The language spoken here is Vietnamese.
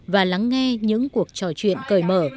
và lắng nghe những cuộc trò chuyện cởi mở